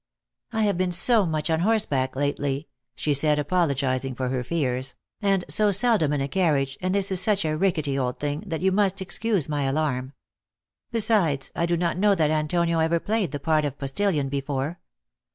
" I have been so much on horseback lately," she 364: THE ACTRESS IN HIGH LIFE. said, apologizing for her fears, " and so seldom in a carriage, and this is such a rickety old thing, that you must excuse my alarm. Besides, I do not know that Antonio ever played the part of postillion before.